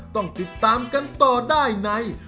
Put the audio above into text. ต้องติดตามกันต่อได้ใน